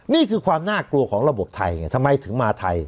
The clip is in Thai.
นี่คือความน่ากลัวของระบบไทยไงทำไมถึงมาไทย